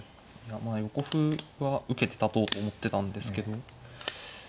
まあ横歩は受けて立とうと思ってたんですけど。